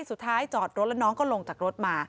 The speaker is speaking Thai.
สุดท้ายจอดรถแล้วน้องก็ลงจากรถมา